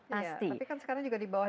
tapi kan sekarang juga di bawah